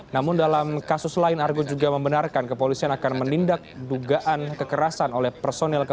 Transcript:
namun dalam kasus lain argo juga membenarkan kepolisian akan menindak dugaan kekerasan oleh personil kepolisian